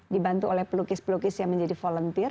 dibantu oleh pelukis pelukis yang menjadi volunteer